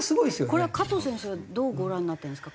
これは加藤先生はどうご覧になってるんですか？